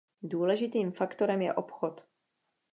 Důležitým faktorem je obchod.